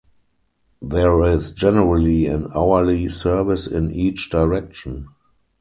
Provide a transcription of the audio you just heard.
There is generally an hourly service in each direction.